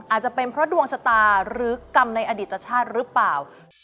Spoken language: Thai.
อาจจะเป็นเพราะดวงชะตาหรือกรรมในอดิตชาติหรือเปล่า